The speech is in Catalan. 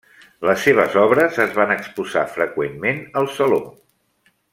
Les seves obres es van exposar freqüentment al saló.